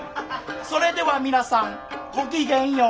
それでは皆さんごきげんよう。